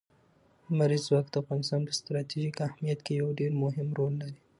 لمریز ځواک د افغانستان په ستراتیژیک اهمیت کې یو ډېر مهم رول لري.